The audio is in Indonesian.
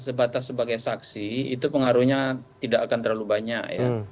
kalau dia diperiksa sebagai saksi itu pengaruhnya tidak akan terlalu banyak ya